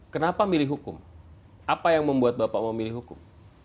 kenapa milih hukum apa yang membuat bapak mau milih hukum